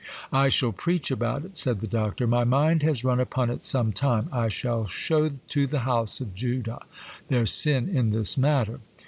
'I shall preach about it,' said the Doctor; 'my mind has run upon it some time. I shall show to the house of Judah their sin in this matter.